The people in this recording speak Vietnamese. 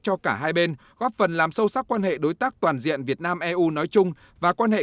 cho cả hai bên góp phần làm sâu sắc quan hệ đối tác toàn diện việt nam eu nói chung và quan hệ